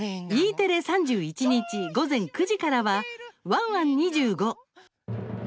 テレ３１日午前９時からは「ワンワン２５」。